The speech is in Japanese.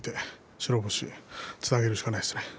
白星つなげるしかないですね。